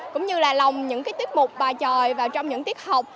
cũng như là lồng những tiết mục bài tròi vào trong những tiết học